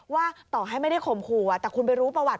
ว่าต่อให้ไม่ได้ข่มขู่แต่คุณไปรู้ประวัติ